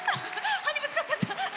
歯にぶつかっちゃった。